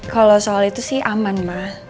kalau soal itu sih aman mah